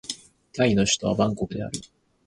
タイの首都はバンコクである